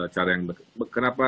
cara yang kenapa